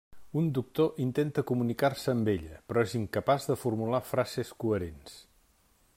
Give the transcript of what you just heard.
Un doctor intenta comunicar-se amb ella, però és incapaç de formular frases coherents.